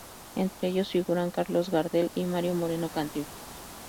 Entre ellos figuran Carlos Gardel y Mario Moreno "Cantinflas".